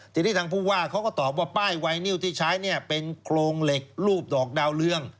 ทีนี้ทางผู้ว่าเขาก็ตอบว่าป้ายไวนิวที่ใช้เนี่ยเป็นโครงเหล็กรูปดอกดาวเรือง